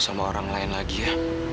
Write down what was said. sama orang lain lagi ya